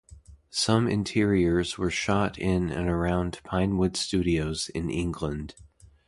Some interiors were shot in and around Pinewood Studios in England.